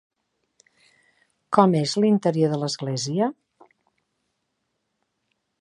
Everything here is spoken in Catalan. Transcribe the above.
Com és l'interior de l'església?